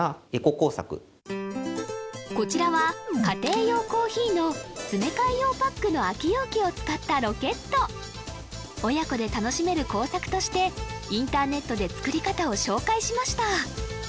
こちらは家庭用コーヒーの詰め替え用パックの空き容器を使ったロケット親子で楽しめる工作としてインターネットで作り方を紹介しました